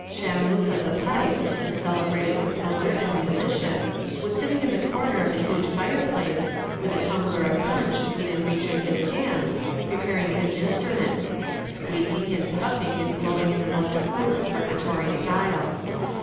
Shamuth of the pipes, the celebrated composer and musician, was sitting in the corner of the huge fireplace, with a tumbler of punch within reach of his hand, preparing his instrument, squeaking, and puffing, and blowing in the most approved preparatory style.